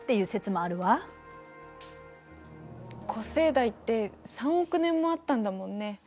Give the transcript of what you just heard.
古生代って３億年もあったんだもんね。